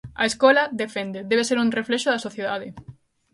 A escola, defende, debe ser un reflexo da sociedade.